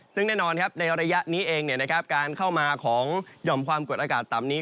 ซึ่งแน่นอนในระยะนี้เองการเข้ามาของหย่อมความกดอากาศต่ำนี้